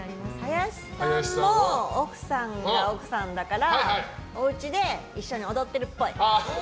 林さんも奥さんが奥さんだからおうちで一緒に踊ってるっぽい。